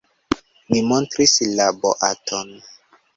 Mi montris la boaton.